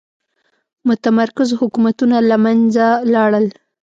متمرکز حکومتونه له منځه لاړل.